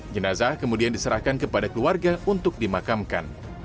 jenazah kemudian diserahkan kepada keluarga untuk dimakamkan